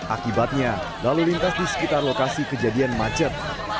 akibatnya lalu lintas di sekitar lokasi kejadian macet